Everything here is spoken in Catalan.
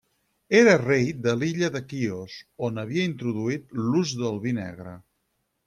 Era rei de l'illa de Quios, on havia introduït l'ús del vi negre.